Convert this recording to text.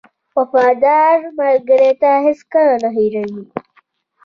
• وفادار ملګری تا هېڅکله نه هېروي.